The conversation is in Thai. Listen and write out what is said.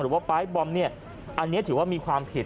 หรือว่าป้ายบอมอันนี้ถือว่ามีความผิด